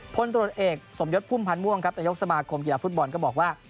พลตรวจเอกสมยศพุ่มพันธ์ม่วงครับนายกสมาคมกีฬาฟุตบอลก็บอกว่า